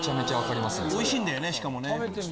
おいしいんだよねしかもね。